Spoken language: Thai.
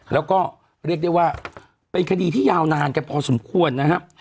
แล้วก็เรียกได้ว่าเป็นคดีที่ยาวนานกันพอสมควรนะครับ